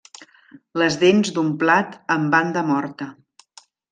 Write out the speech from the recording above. Les dents d'un plat amb banda morta.